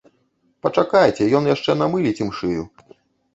Пачакайце, ён яшчэ намыліць ім шыю!